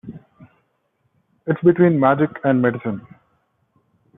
It's between magic and medicine.